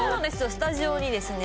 スタジオにですね